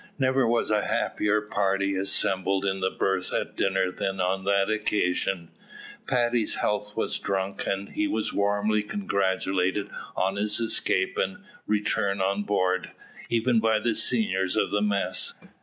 Never was a happier party assembled in the berth at dinner than on that occasion. Paddy's health was drunk, and he was warmly congratulated on his escape and return on board, even by the seniors of the mess.